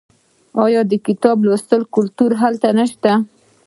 آیا د کتاب لوستلو کلتور هلته نشته؟